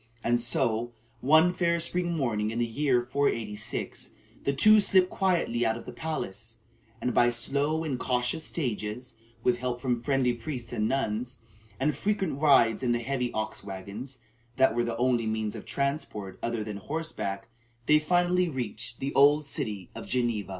And so, one fair spring morning in the year 486, the two slipped quietly out of the palace; and by slow and cautious stages, with help from friendly priests and nuns, and frequent rides in the heavy ox wagons that were the only means of transport other than horseback, they finally reached the old city of Geneva.